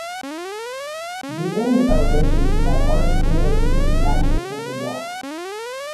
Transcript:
The end elevations have arched windows which match the central block.